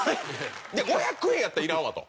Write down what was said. ５００円やったらいらんわと。